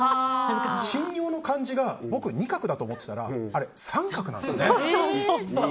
しんにょうの漢字が僕２画だと思ってたらあれ、３画なんですね。